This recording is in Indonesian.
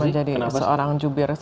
menjadi seorang jubir